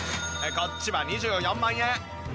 こっちは２４万円。